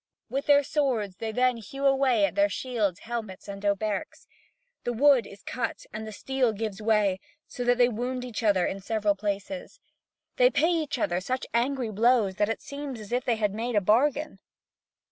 With their swords they then hew away at their shields, helmets, and hauberks. The wood is cut and the steel gives way, so that they wound each other in several places. They pay each other such angry blows that it seems as if they had made a bargain.